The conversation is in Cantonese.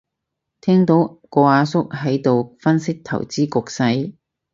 聽到個阿叔喺度分析投資局勢